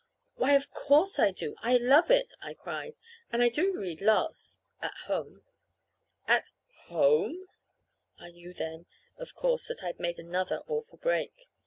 "Why, of course I do. I love it!" I cried. "And I do read lots at home." "At home?" I knew then, of course, that I'd made another awful break.